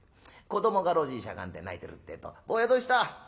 子どもが路地にしゃがんで泣いてるってえと「坊やどうした。